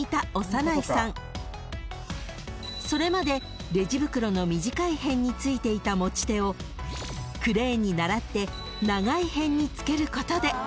［それまでレジ袋の短い辺についていた持ち手をクレーンに倣って長い辺につけることで］